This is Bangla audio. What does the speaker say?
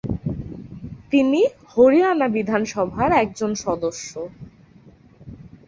তিনি হরিয়ানা বিধানসভার একজন সদস্য।